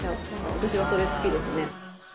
私はそれ好きですね。